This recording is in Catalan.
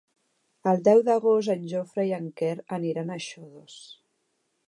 El deu d'agost en Jofre i en Quer aniran a Xodos.